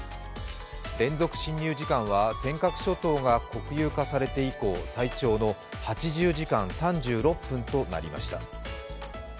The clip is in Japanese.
連続侵入時間は、尖閣諸島が国有化されて以降、最長の８０時間３６分となりました。